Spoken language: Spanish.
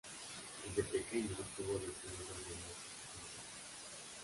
Desde pequeño tuvo deseos de ordenarse sacerdote.